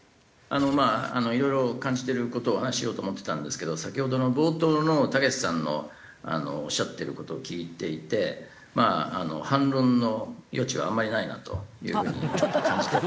あのまあいろいろ感じてる事をお話ししようと思ってたんですけど先ほどの冒頭のたけしさんのおっしゃってる事を聞いていてまあ反論の余地はあんまりないなという風にちょっと感じて。